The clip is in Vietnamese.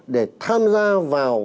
để tham gia vào